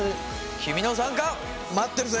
君の参加待ってるぜ。